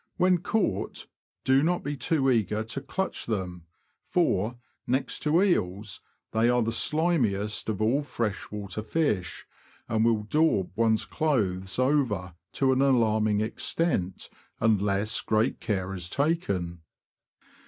When caught, do not be too eager to clutch them, for, next to eels, they are the slimiest of all fresh water fish, and will daub one's clothes over to an alarming extent unless great care be taken.